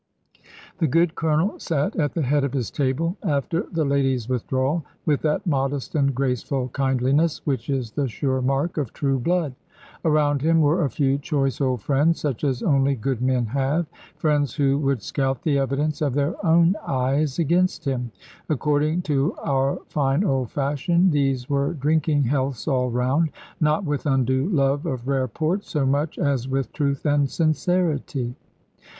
The good Colonel sat at the head of his table, after the ladies' withdrawal, with that modest and graceful kindliness, which is the sure mark of true blood. Around him were a few choice old friends, such as only good men have; friends, who would scout the evidence of their own eyes against him. According to our fine old fashion, these were drinking healths all round, not with undue love of rare port, so much as with truth and sincerity.